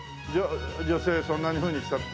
女性そんなふうに使って。